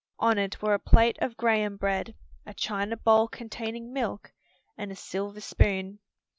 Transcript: On it were a plate of graham bread, a china bowl containing milk, and a silver spoon.